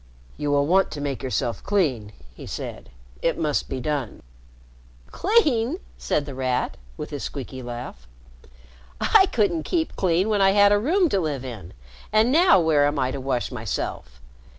"You will want to make yourself clean," he said. "It must be done." "Clean!" said The Rat, with his squeaky laugh. "I couldn't keep clean when I had a room to live in, and now where am I to wash myself?"